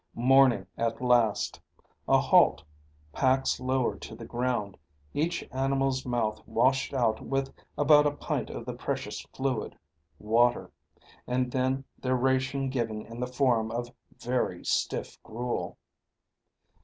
Morning at last. A halt, packs lowered to the ground, each animal's mouth washed out with about a pint of the precious fluid water, and then their ration given in the form of very stiff gruel.